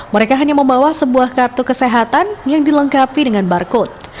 mereka hanya membawa sebuah kartu kesehatan yang dilengkapi dengan barcode